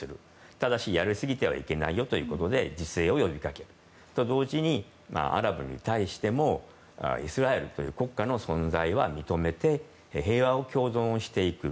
ただ、やりすぎてはいけないよということで自制を呼びかける。と同時に、アラブに対してもイスラエルという国家の存在は認めて平和を共存していく。